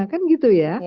kan gitu ya